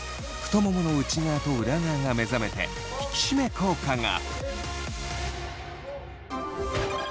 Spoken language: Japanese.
太ももの内側と裏側が目覚めて引き締め効果が！